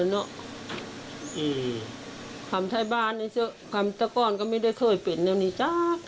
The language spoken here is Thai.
เขาปกติเขาก็ปล่อยให้แลนด์เล่นได้บ้าง